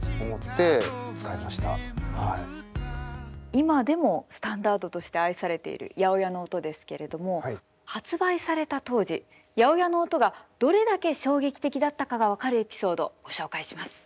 今でもスタンダードとして愛されている８０８の音ですけれども発売された当時８０８の音がどれだけ衝撃的だったかが分かるエピソードご紹介します。